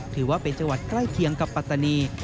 ถือว่าเป็นจังหวัดใกล้เคียงกับปัตตานี